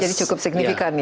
jadi cukup signifikan ya